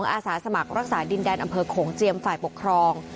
อาสาสมัครรักษาดินแดนอำเภอโขงเจียมฝ่ายปกครอง